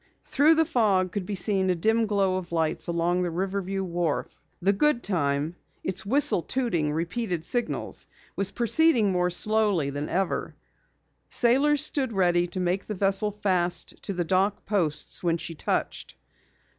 Through the fog could be seen a dim glow of lights along the Riverview wharf. The Goodtime, its whistle tooting repeated signals, was proceeding more slowly than ever. Sailors stood ready to make the vessel fast to the dock posts when she touched.